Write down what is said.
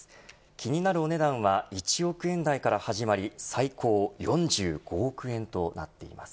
気になるお値段は１億円台から始まり最高４５億円となっています。